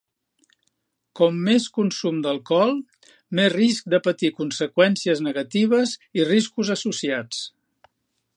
Com més consum d'alcohol, més risc de patir conseqüències negatives i riscos associats.